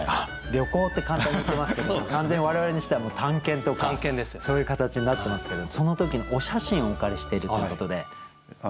「旅行」って簡単に言ってますけど完全我々にしてはもう探検とかそういう形になってますけどもその時のお写真をお借りしているということで。